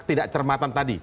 tidak cermatan tadi